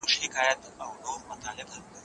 کرنيز توليدات ورځ تر بلې وده کوي.